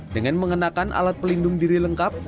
dengan mengenakan alat pelindung diri lengkap